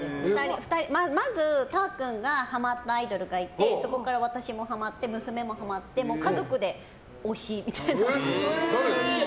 まずたぁ君がハマったアイドルがいてそこから私もハマって娘もハマって家族で推しみたいな。